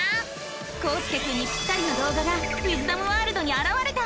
こうすけくんにぴったりの動画がウィズダムワールドにあらわれた！